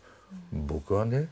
僕はね